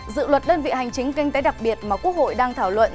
dự luật đơn vị hành chính kinh tế đặc biệt mà quốc hội đang thảo luận